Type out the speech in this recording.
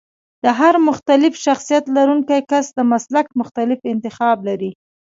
د هر مختلف شخصيت لرونکی کس د مسلک مختلف انتخاب لري.